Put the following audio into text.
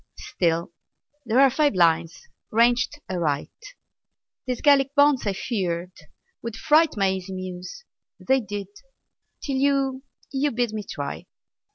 Still, there are five lines ranged aright. These Gallic bonds, I feared, would fright My easy Muse. They did, till you You bid me try!